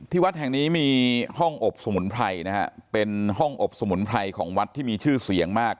วัดแห่งนี้มีห้องอบสมุนไพรนะฮะเป็นห้องอบสมุนไพรของวัดที่มีชื่อเสียงมาก